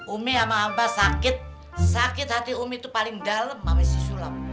umi sama abah sakit sakit hati umi tuh paling dalem sama si sulam